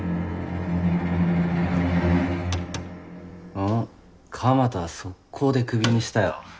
ああ蒲田は速攻でクビにしたよ。